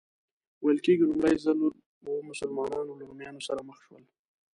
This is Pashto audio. ویل کېږي لومړی ځل و مسلمانان له رومیانو سره مخ شول.